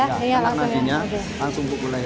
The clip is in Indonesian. kenak nadinya langsung bukul leher